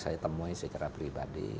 saya temui secara pribadi